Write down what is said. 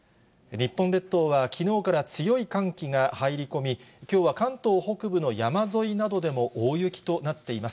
日本列島はきのうから強い寒気が入り込み、きょうは関東北部の山沿いなどでも大雪となっています。